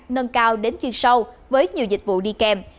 nâng cao đến chuyên sâu với nhiều dịch vụ đi kèm